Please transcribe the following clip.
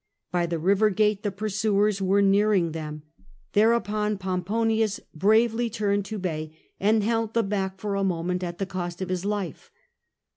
By the river gate the pursuers were nearing them ; thereupon Pomponius bravely turned to bay, and held them back for a moment at the cost of Ms life.